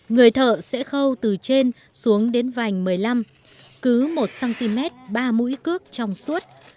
người thợ sẽ khâu từ trên xuống đến vành một mươi năm cứ một cm ba mũi cướp trong suốt